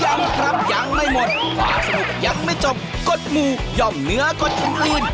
ยังครับยังไม่หมดความสนุกยังไม่จบกดหมู่ย่อมเนื้อกดถุงอื่น